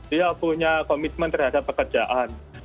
dia punya komitmen terhadap pekerjaan